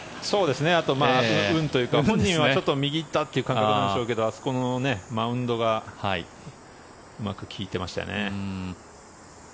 あと、運というか本人はちょっと右に行ったという感覚なんでしょうけどあそこのマウンドがうまく利いていましたよね。